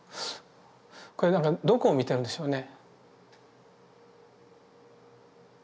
これどこを見てるんでしょうね。